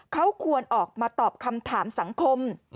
เขาควรออกมาตอบคำถามสังคม